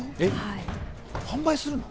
販売するの？